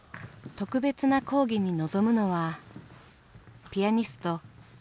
特別な講義に臨むのはピアニスト山下洋輔さん。